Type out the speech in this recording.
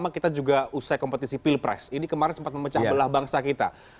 kita juga usai kompetisi pilpres ini kemarin sempat memecah belah bangsa kita